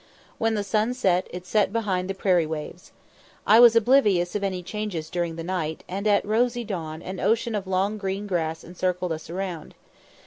When the sun set, it set behind the prairie waves. I was oblivious of any changes during the night, and at rosy dawn an ocean of long green grass encircled us round.